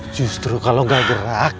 justru kalau gak gerak